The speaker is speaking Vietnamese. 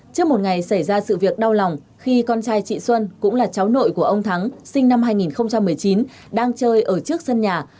trước một ngày xảy ra sự việc đau lòng khi con trai chị xuân cũng là cháu nội của ông thắng sinh năm hai nghìn một mươi chín đang chơi ở trước sân nhà